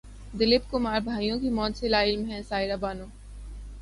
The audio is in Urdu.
دلیپ کمار بھائیوں کی موت سے لاعلم ہیں سائرہ بانو